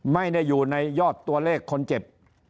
ไม่ได้อยู่ในยอดตัวเลขคนเจ็บ